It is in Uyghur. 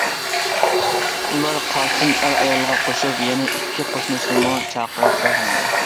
ئۇلار قاسىم ئەر-ئايالغا قوشۇپ، يەنە ئىككى قوشنىسىنىمۇ چاقىرىپ قويغانىدى.